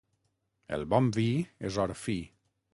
El bon vi és or fi.